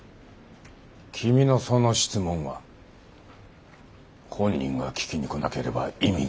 君のその質問は本人が聞きに来なければ意味がない。